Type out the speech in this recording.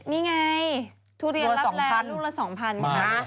นี่ไงทุเรียนลับแรมลูกละ๒๐๐๐บาทค่ะ